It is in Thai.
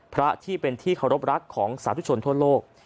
พระที่เป็นที่เคารพรักของสาธุชนทั่วโลก